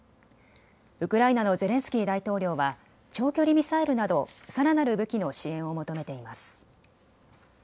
ウクライナのゼレンスキー大統領は長距離ミサイルなどさらなる武器の支援を求めています。